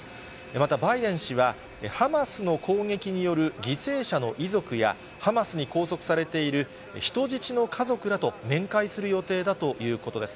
またバイデン氏は、ハマスの攻撃による犠牲者の遺族やハマスに拘束されている人質の家族らと面会する予定だということです。